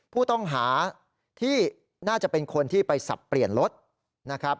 ผู้ต้องหาที่น่าจะเป็นคนที่ไปสับเปลี่ยนรถนะครับ